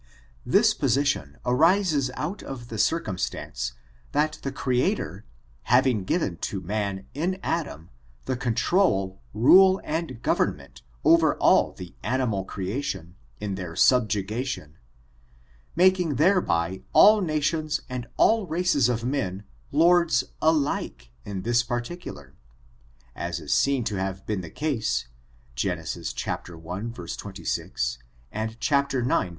Thid position arises out of the circmnstaoce of the Cxea» tor having given to man in Adam, the control, rule apd goverument, over all the animal creation, in their wlgugation; making thereby all nations and all races of men lords alike in this particular, as i& seen }f> have been the case, Gen. i, 26^ and ix, 2.